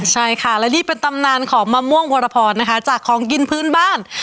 ใช่ค่ะและนี่เป็นตำนานของมะม่วงวรพรนะคะจากของกินพื้นบ้าน